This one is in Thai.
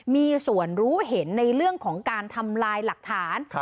มีส่วนรู้เห็นในเรื่องของการทำลายหลักฐาน